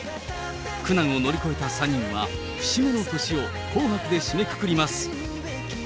苦難を乗り越えた３人は、節目の年を紅白で締めくくります。